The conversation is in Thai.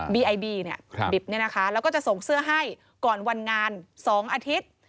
ไอบีเนี่ยบิบแล้วก็จะส่งเสื้อให้ก่อนวันงาน๒อาทิตย์